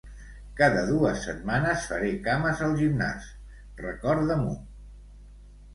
Cada dues setmanes faré cames al gimnàs recorda-m'ho.